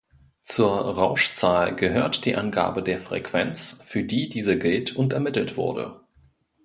Zur Rauschzahl gehört die Angabe der Frequenz, für die diese gilt und ermittelt wurde.